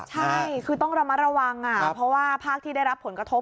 ใช่คือต้องระมัดระวังเพราะว่าภาคที่ได้รับผลกระทบ